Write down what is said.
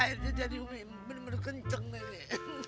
akhirnya jadi umi bener bener kenceng nih